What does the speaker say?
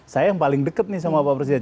saya yang paling dekat nih sama pak presiden